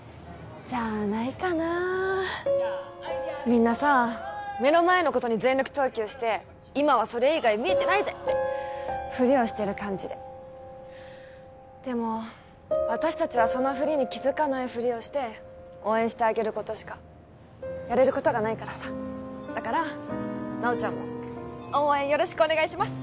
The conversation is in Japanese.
みんなさ目の前のことに全力投球して今はそれ以外見えてないぜってふりをしてる感じででも私達はそのふりに気づかないふりをして応援してあげることしかやれることがないからさだから奈緒ちゃんも応援よろしくお願いします